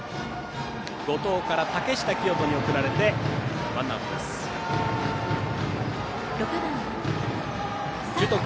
後藤から竹下聖人に送られてワンアウト。